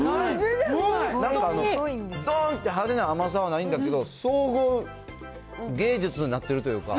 なんかどーんって派手な甘さはないんだけど、総合芸術になっているというか。